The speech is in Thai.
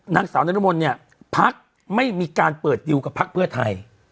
นางสาวนรมนเนี่ยพักไม่มีการเปิดดิวกับพักเพื่อไทย